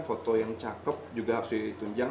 foto yang cakep juga harus ditunjang